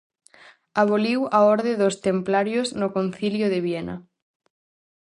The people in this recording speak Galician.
Aboliu a orde dos Templarios no Concilio de Viena.